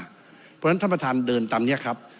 เพราะฉะนั้นท่านประธานเดินตามนี้ครับ